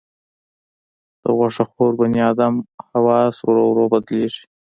د غوښه خور بنیادم حواس ورو ورو بدلېږي.